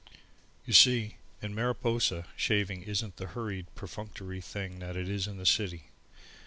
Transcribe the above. You see, in Mariposa, shaving isn't the hurried, perfunctory thing that it is in the city.